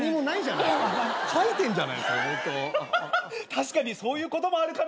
確かにそういうこともあるかななんて。